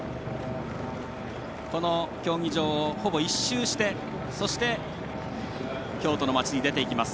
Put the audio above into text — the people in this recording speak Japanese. この競技場をほぼ１周してそして、京都の街に出ていきます。